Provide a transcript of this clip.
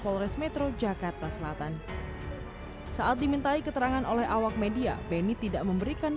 polres metro jakarta selatan saat dimintai keterangan oleh awak media benny tidak memberikan